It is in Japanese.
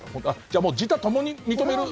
じゃあもう自他共に認める。